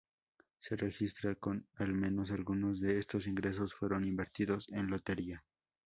Se registra que al menos algunos de estos ingresos fueron invertidos en lotería.